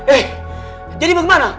eh jadi bagaimana